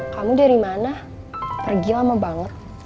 kamu dari mana pergi lama banget